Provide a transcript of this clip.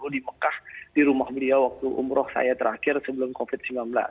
dua ribu dua puluh di mekah di rumah beliau waktu umroh saya terakhir sebelum covid sembilan belas